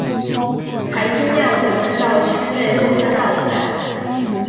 海心庙则迁到区内落山道一带。